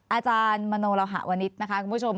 อาจารย์มโนรหะวนิษฐ์นะคะคุณผู้ชม